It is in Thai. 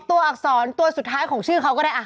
อักษรตัวสุดท้ายของชื่อเขาก็ได้